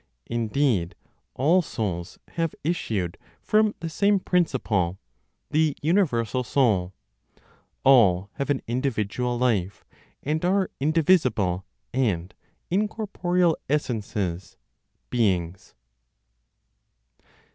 Indeed, all souls have issued from the same principle (the universal Soul), all have an individual life, and are indivisible and incorporeal essences ("beings").